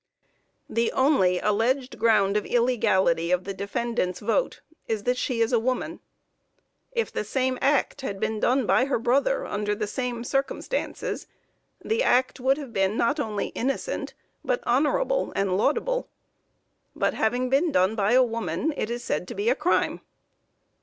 The only alleged ground of illegality of the defendant's vote is that she is a woman. If the same act had been done by her brother under the same circumstances, the act would have been not only innocent, but honorable and laudable; but having been done by a woman it is said to be a crime.